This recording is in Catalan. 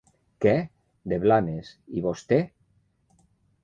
Què? De Blanes, i vostè?